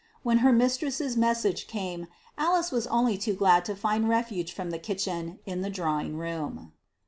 When her mistress's message came, Alice was only too glad to find refuge from the kitchen in the drawing room.